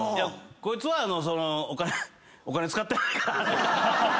こいつは。